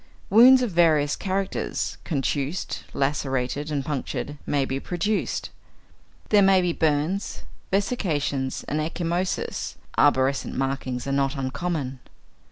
Wounds of various characters contused, lacerated, and punctured may be produced. There may be burns, vesications, and ecchymoses; arborescent markings are not uncommon.